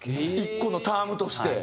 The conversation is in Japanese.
１個のタームとして。